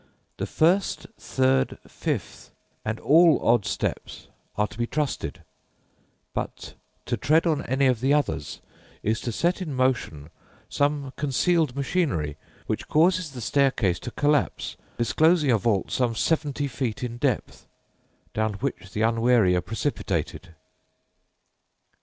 The first, third, fifth, and all odd steps are to be trusted, but to tread any of the others is to set in motion some concealed machinery which causes the staircase to collapse, disclosing a vault some seventy feet in depth, down which the unwary are precipitated."